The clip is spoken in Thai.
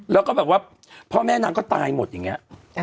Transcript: แล้วก็แบบว่าพ่อแม่นางก็ตายหมดอย่างนี้